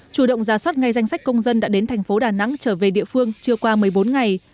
chủ động ra soát ngay danh sách công dân đã đến thành phố đà nẵng trở về địa phương trưa qua một mươi bốn ngày